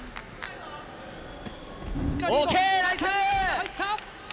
入った！